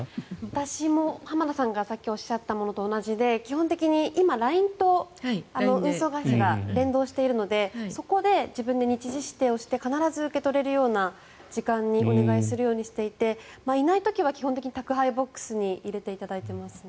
私も浜田さんがおっしゃったのと同じでＬＩＮＥと運送会社が連動しているのでそこで日時指定して必ず受け取れるような時間にお願いするようにしていていない時は基本的に宅配ボックスに入れていただいています。